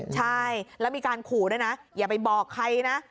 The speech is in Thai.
ใช่แล้วมีการขู่ด้วยนะอย่าไปบอกใครนะ